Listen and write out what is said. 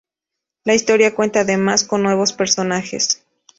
La historia cuenta además con nuevos personajes.